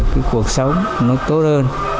cái cuộc sống nó tốt hơn